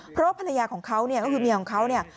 เพราะผลาญาก็คือเมียของเขา